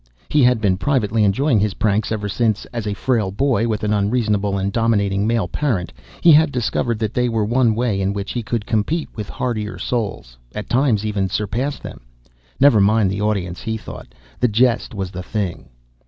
He had been privately enjoying his pranks ever since, as a frail boy with an unreasonable and dominating male parent, he had discovered that they were one way in which he could compete with hardier souls, at times even surpass them. Never mind the audience, he thought. The jest was the thing!